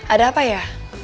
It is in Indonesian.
ada apa ya